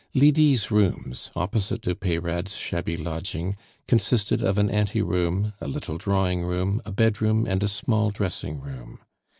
Lydie's rooms, opposite to Peyrade's shabby lodging, consisted of an ante room, a little drawing room, a bedroom, and a small dressing room.